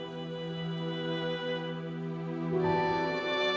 pesek air papi